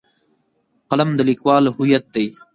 قلم د لیکوال هویت دی.